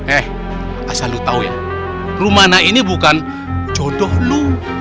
eh asal lu tau ya rumana ini bukan jodoh lu